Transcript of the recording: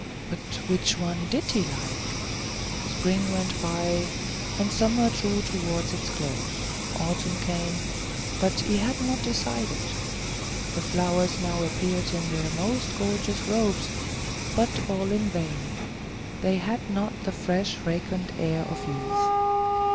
But which one did he like? Spring went by, and summer drew towards its close; autumn came; but he had not decided. The flowers now appeared in their most gorgeous robes, but all in vain; they had not the fresh, fragrant air of youth.